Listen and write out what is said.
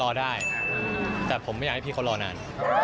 รอได้แต่ผมไม่อยากให้พี่เขารอนาน